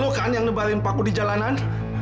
lu kan yang ngebalin paku di jalanan